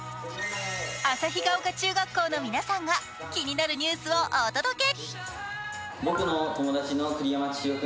旭ヶ丘中学校の皆さんが気になるニュースをお届け。